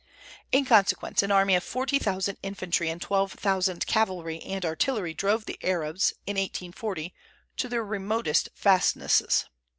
In consequence, an army of forty thousand infantry and twelve thousand cavalry and artillery drove the Arabs, in 1840, to their remotest fastnesses.